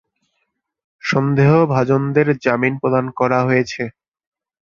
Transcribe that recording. সন্দেহভাজনদের জামিন প্রদান করা হয়েছে।